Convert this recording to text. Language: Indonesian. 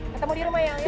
ketemu di rumah ya